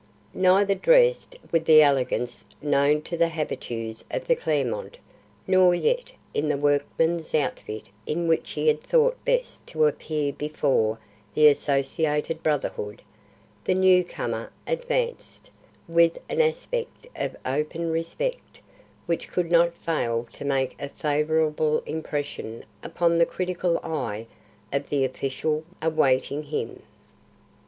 Neither dressed with the elegance known to the habitues of the Clermont, nor yet in the workman's outfit in which he had thought best to appear before the Associated Brotherhood, the newcomer advanced, with an aspect of open respect which could not fail to make a favourable impression upon the critical eye of the official awaiting him.